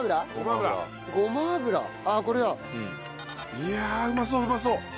いやうまそううまそう！